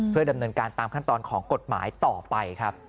เพื่อดำเนินการตามขั้นตอนของกฎหมายต่อไปครับ